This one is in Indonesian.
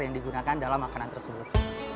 yang digunakan dalam makanan tersebut